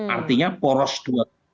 artinya poros dua